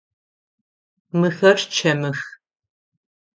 Мыхэр чэмых.